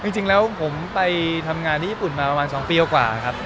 จริงแล้วผมไปทำงานที่ญี่ปุ่นมาประมาณ๒ปีกว่าครับ